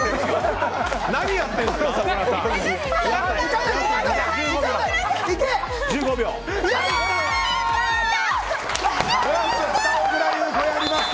何やってるんですか？